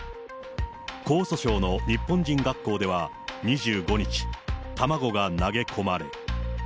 江蘇省の日本人学校では、２５日、卵が投げ込まれ。